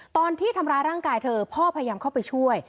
ตอนที่ทำร้ายร่างกายเธอพ่อพยายามเข้าไปช่วย